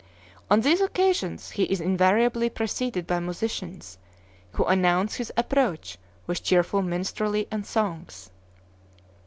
On these occasions he is invariably preceded by musicians, who announce his approach with cheerful minstrelsy and songs.